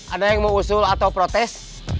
ada yang mau usul atau protes